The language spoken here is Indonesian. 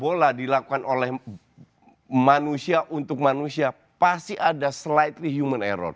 dan kalau dilakukan oleh manusia untuk manusia pasti ada slightly human error